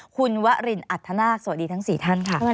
คุณวรินอัธนาคสวัสดีทั้ง๔ท่านค่ะ